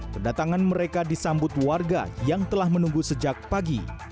kedatangan mereka disambut warga yang telah menunggu sejak pagi